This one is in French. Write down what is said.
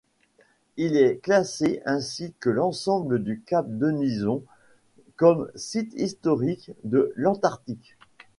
Il est classé, ainsi que l'ensemble du cap Denison, comme site historique de l'Antarctique.